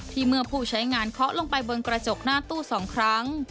เมื่อผู้ใช้งานเคาะลงไปบนกระจกหน้าตู้๒ครั้ง